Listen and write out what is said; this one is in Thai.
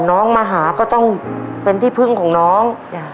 น้องมาหาก็ต้องเป็นที่พึ่งของน้อง